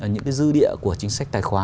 những dư địa của chính sách tài khoá